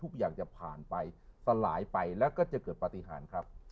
ทุกอย่างจะผ่านไปสลายไปแล้วก็จะเกิดปฏิหารครับ